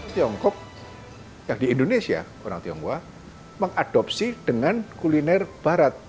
tiongkok yang di indonesia orang tiongkok mengadopsi dengan kuliner barat